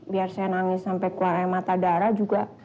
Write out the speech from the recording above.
biar saya nangis sampai keluar air mata darah juga